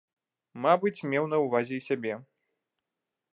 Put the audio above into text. Мабыць, меў на ўвазе і сябе.